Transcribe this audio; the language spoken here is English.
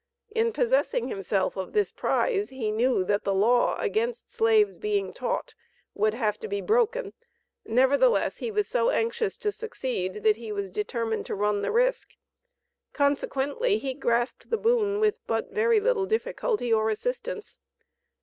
In possessing himself of this prize he knew that the law against slaves being taught, would have to be broken, nevertheless he was so anxious to succeed, that he was determined to run the risk. Consequently he grasped the boon with but very little difficulty or assistance.